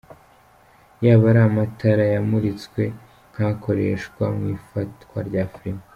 Yaba ari amatara yamuritswe nkakoreshwa mu ifatwa rya Filime?.